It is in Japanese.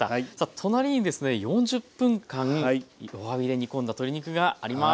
隣にですね４０分間弱火で煮込んだ鶏肉があります。